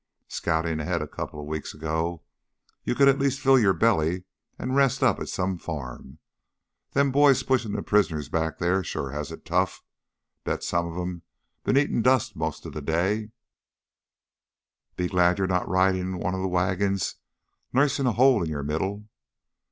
Scoutin' ahead a couple weeks ago you could at least fill your belly and rest up at some farm. Them boys pushin' the prisoners back there sure has it tough. Bet some of 'em been eatin' dust most all day " "Be glad you're not ridin' in one of the wagons nursin' a hole in your middle."